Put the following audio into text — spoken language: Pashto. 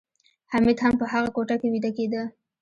حمید هم په هغه کوټه کې ویده کېده